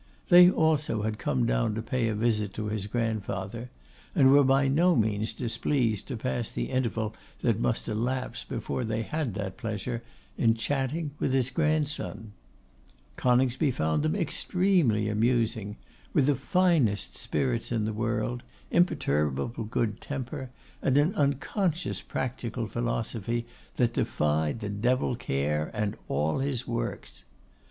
They also had come down to pay a visit to his grandfather, and were by no means displeased to pass the interval that must elapse before they had that pleasure in chatting with his grandson. Coningsby found them extremely amusing; with the finest spirits in the world, imperturbable good temper, and an unconscious practical philosophy that defied the devil Care and all his works.